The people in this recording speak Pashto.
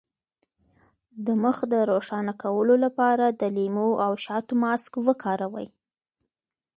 د مخ د روښانه کولو لپاره د لیمو او شاتو ماسک وکاروئ